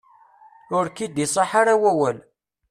Ur k-id-iṣaḥ ara wawal.